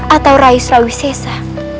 atau rai srawi sesa